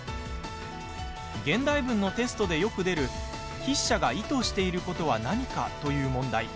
現代文のテストでよく出る筆者が意図していることは何かという問題。